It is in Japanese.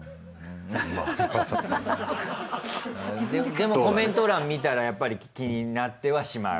でもコメント欄見たらやっぱり気になってはしまう。